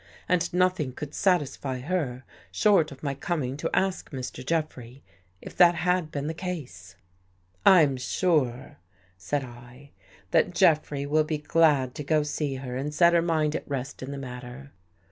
And nothing would satisfy her short of my coming to ask Mr. Jeffrey if that had been the case." " I'm sure," said I, " that Jeffrey will be glad to go to see her and set her mind at rest in the matter."